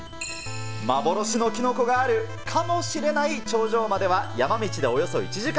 幻のキノコがあるかもしれない頂上までは、山道でおよそ１時間。